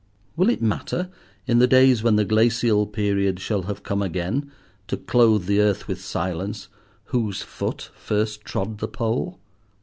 Will it matter, in the days when the glacial period shall have come again, to clothe the earth with silence, whose foot first trod the Pole?